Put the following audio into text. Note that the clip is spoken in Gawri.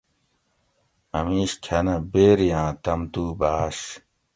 اٞ مِیش کٞھنہ بیری آۤں تم تُو بھاٞش